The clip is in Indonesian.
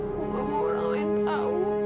aku nggak mau orang lain tahu